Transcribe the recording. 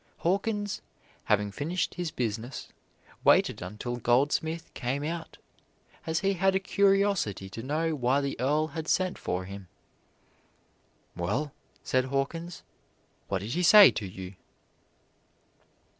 Hawkins, having finished his business, waited until Goldsmith came out, as he had a curiosity to know why the Earl had sent for him. "Well," said Hawkins, "what did he say to you?"